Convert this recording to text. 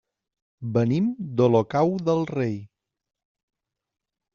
Venim d'Olocau del Rei.